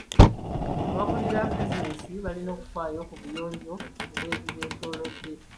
Abakulira bizinensi balina okufaayo ku buyonjo bw'ebibeetoolodde.